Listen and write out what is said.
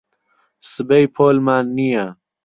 سبەی پۆلمان نییە.